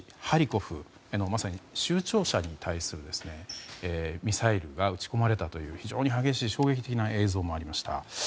ハリコフへのまさに州庁舎に対するミサイルが撃ち込まれたという非常に激しい衝撃的な映像もありました。